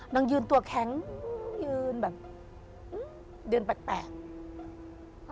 นางยืนตัวแข็งยืนแบบยืนแปลก